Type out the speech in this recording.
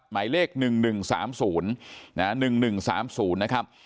หมายเลข๑๑๓๐๑๑๓๐นะครับ